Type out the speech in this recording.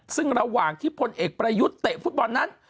ซึ่งระหว่างที่พลเอกประยุทธ์เตะฟุตบอลนั้น